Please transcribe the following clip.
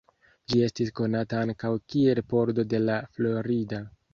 Ĝi estis konata ankaŭ kiel pordo de La Florida.